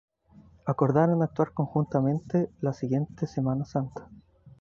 Acordaron actuar conjuntamente la siguiente Semana Santa.